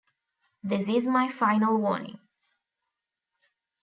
This is my final warning!